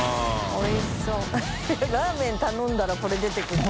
おいしそうラーメン頼んだらこれ出てくるの？